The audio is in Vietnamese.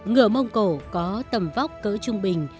ngựa mông cổ có tầm vóc cỡ trung bình